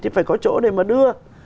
thì phải có chỗ để mà đưa